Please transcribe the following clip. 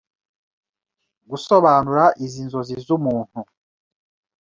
Gusobanura izi nzozi z'umuntu